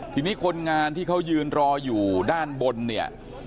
ทีนี้คนงานที่เขายืนรออยู่ด้านบนเนี่ย